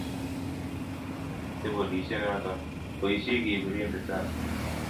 mamito polisie noto boisie kebiren risasit